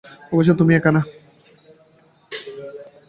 অবশ্যই তুই একা না।